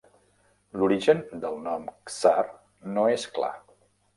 L'origen del nom "Czar" no és clar.